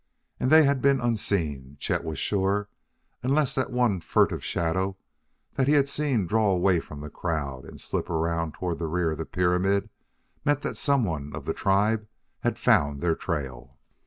And they had been unseen, Chet was sure; unless the one furtive shadow that he had seen draw away from the crowd and slip around toward the rear of the pyramid meant that some one of the tribe had found their trail.